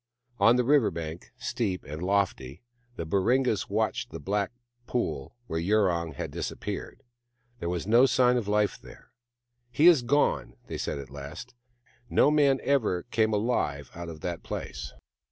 On the river bank, steep and lofty, the Baringas watched the black pool where Yurong had dis appeared. There was no sign of life there. " He is gone," they said at last. " No man ever came alive out of that place.